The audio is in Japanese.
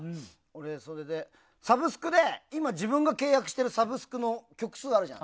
それで今、自分が契約してるサブスクの曲数あるじゃん。